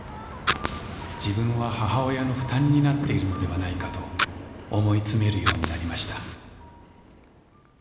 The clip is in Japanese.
自分は母親の負担になっているのではないかと思い詰めるようになりました。